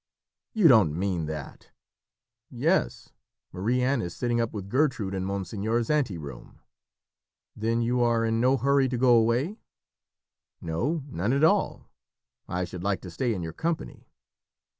"You don't mean that!" "Yes, Marie Anne is sitting up with Gertrude in monseigneur's ante room." "Then you are in no hurry to go away?" "No, none at all. I should like to stay in your company."